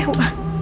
aku juga gak tau